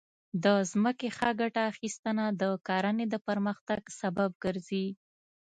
د ځمکې ښه ګټه اخیستنه د کرنې د پرمختګ سبب ګرځي.